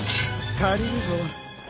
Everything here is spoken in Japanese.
借りるぞ。